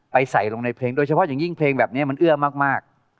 ใส่ลงในเพลงโดยเฉพาะอย่างยิ่งเพลงแบบนี้มันเอื้อมาก